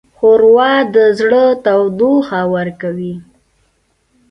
ښوروا د زړه تودوخه ورکوي.